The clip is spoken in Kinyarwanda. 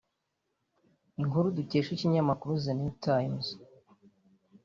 Inkuru dukesha ikinyamakuru The New times